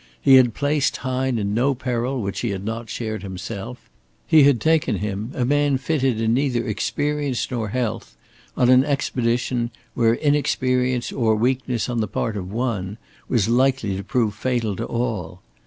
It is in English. He had placed Hine in no peril which he had not shared himself; he had taken him, a man fitted in neither experience nor health, on an expedition where inexperience or weakness on the part of one was likely to prove fatal to all.